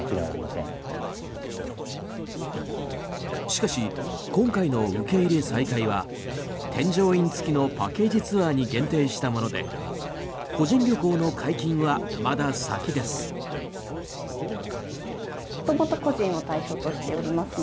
しかし、今回の受け入れ再開は添乗員付きのパッケージツアーに限定したもので個人旅行の解禁はまだ先です。